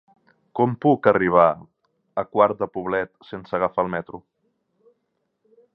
Com puc arribar a Quart de Poblet sense agafar el metro?